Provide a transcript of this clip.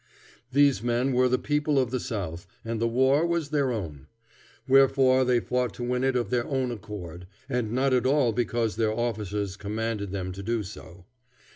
These men were the people of the South, and the war was their own; wherefore they fought to win it of their own accord, and not at all because their officers commanded them to do so.